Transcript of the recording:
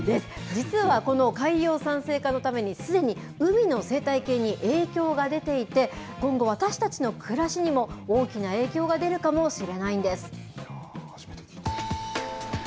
実はこの海洋酸性化のためにすでに海の生態系に影響が出ていて、今後、私たちの暮らしにも大きな影響が出るかもしれないんです。